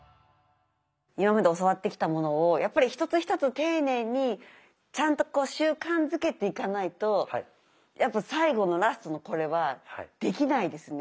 今まで教わってきたものをやっぱり一つ一つ丁寧にちゃんとこう習慣づけていかないとやっぱ最後のラストのこれはできないですね。